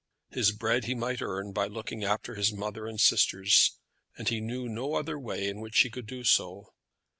His bread he might earn by looking after his mother and sisters, and he knew no other way in which he could do so.